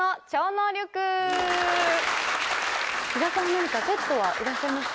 比嘉さん何かペットはいらっしゃいますか？